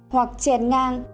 hoặc chèn ngang